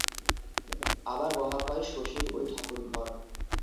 আমার মহাভয় শশীর ঐ ঠাকুরঘর।